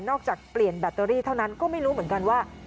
จากเปลี่ยนแบตเตอรี่เท่านั้นก็ไม่รู้เหมือนกันว่า